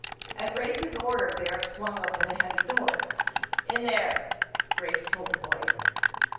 At Grace's order Barrack swung open a heavy door. "In there," Grace told the boys.